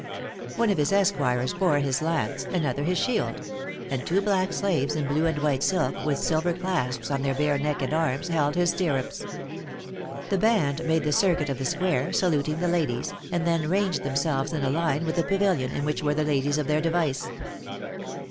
One of his esquires bore his lance, another his shield; and two black slaves in blue and white silk, with silver clasps on their bare neck and arms, held his stirrups. The band made the circuit of the square, saluting the ladies, and then ranged themselves in a line with the pavilion in which were the ladies of their device.